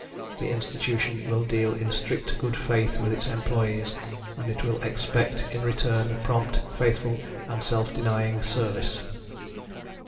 The Institution will deal in strict good faith with its employees, and it will expect, in return, prompt, faithful, and self denying service.